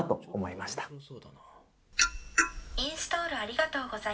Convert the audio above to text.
「インストールありがとうございます。